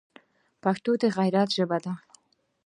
پښتو د غیرت ژبه ده